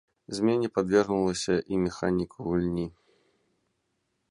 Змене падвергнулася і механіка гульні.